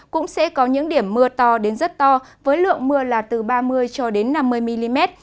cũng sẽ có những điểm mưa to đến rất to với lượng mưa là từ ba mươi cho đến năm mươi mm